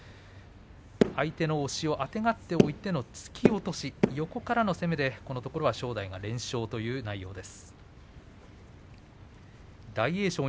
相手の押しをあてがっておいての突き落とし、横からの攻めでこのところは正代が連勝という内容です。